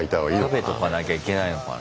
食べとかなきゃいけないのかな。